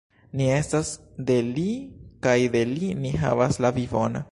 Ni estas de Li kaj de Li ni havas la vivon!